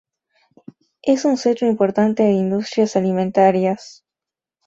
Es un centro importante de industrias alimentarias.